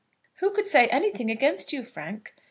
"Who could say anything against you, Frank?"